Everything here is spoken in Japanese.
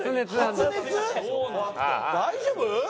大丈夫？